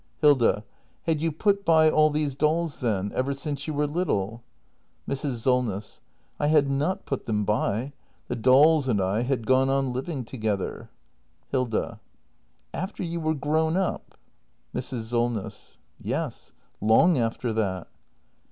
Hilda. Had you put by all these dolls, then ? Ever since you were little? Mrs. Solness. I had not put them by. The dolls and I had gone on living together. Hilda. m After you were grown up ? Mrs. Solness. Yes, long after that.